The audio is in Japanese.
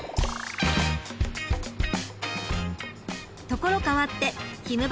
ところ変わってひむ